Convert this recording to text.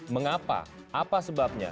mengapa apa sebabnya